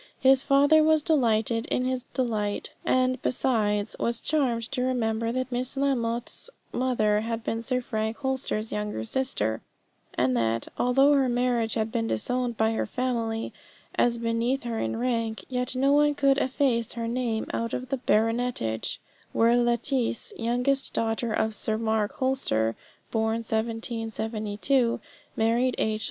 His father was delighted in his delight, and, besides, was charmed to remember that Miss Lamotte's mother had been Sir Frank Holster's younger sister, and that, although her marriage had been disowned by her family, as beneath her in rank, yet no one could efface her name out of the Baronetage, where Lettice, youngest daughter of Sir Mark Holster, born 1772, married H.